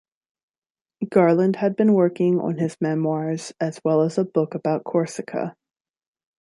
Garland had been working on his memoirs as well as a book about Corsica.